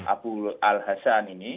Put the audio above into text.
abu al hassan ini